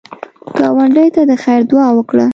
ګاونډي ته د خیر دعا وکړه